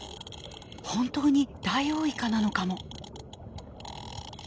本当にダイオウイカなのかも。